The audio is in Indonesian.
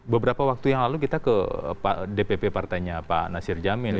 beberapa waktu yang lalu kita ke dpp partainya pak nasir jamil